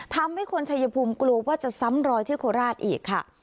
ทำให้คนชายภูมิกลัวว่าจะซ้ำรอยที่โคราชอีกค่ะ